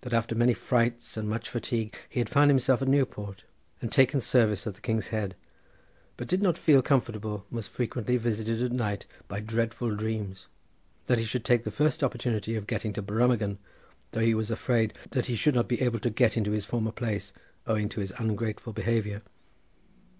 That after many frights and much fatigue he had found himself at Newport and taken service at the King's Head, but did not feel comfortable and was frequently visited at night by dreadful dreams. That he should take the first opportunity of getting to Brummagem, though he was afraid that he should not be able to get into his former place owing to his ungrateful behaviour.